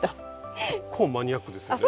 結構マニアックですよね。